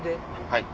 はい。